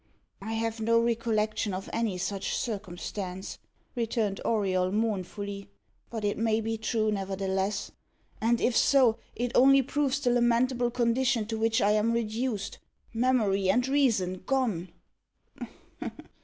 "I have no recollection of any such circumstance," returned Auriol mournfully. "But it may be true, nevertheless. And if so, it only proves the lamentable condition to which I am reduced memory and reason gone!"